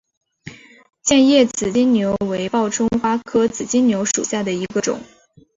剑叶紫金牛为报春花科紫金牛属下的一个种。